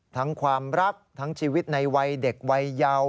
ความรักทั้งชีวิตในวัยเด็กวัยเยาว์